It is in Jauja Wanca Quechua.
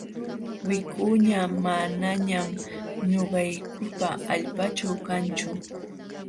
Wikuña manañam ñuqaykupa allpaaćhu kanchu.